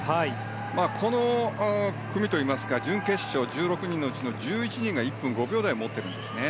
この組といいますか準決勝１６人のうちの１１人が１分５秒台を持っているんですね。